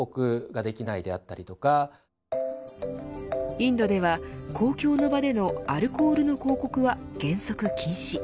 インドでは公共の場でのアルコールの広告は原則禁止。